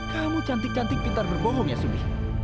kamu cantik cantik pintar berbohong ya subi